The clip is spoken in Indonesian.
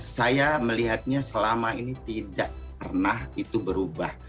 saya melihatnya selama ini tidak pernah itu berubah